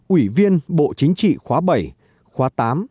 ủy viên bộ chính trị khóa bảy khóa tám